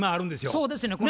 そうですねん。